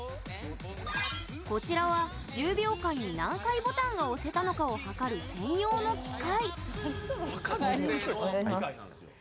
こちらは１０秒間に何回ボタンが押せたのかを計る専用の機械。